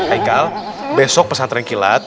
aikal besok pesantren kilat